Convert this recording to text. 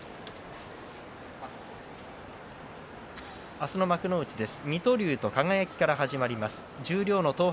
明日の幕内です。